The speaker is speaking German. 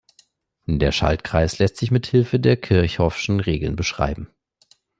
Der Schaltkreis lässt sich mit Hilfe der Kirchhoffschen Regeln beschreiben.